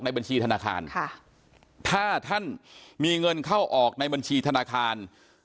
บัญชีธนาคารถ้าท่านมีเงินเข้าออกในบัญชีธนาคาร